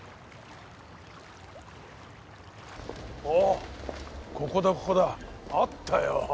おっここだここだ！あったよ！